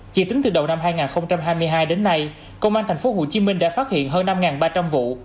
chỉ tính từ đầu năm hai nghìn hai mươi hai đến nay công an thành phố hồ chí minh đã phát hiện hơn năm ba trăm linh vụ